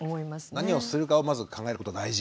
何をするかをまず考えることが大事。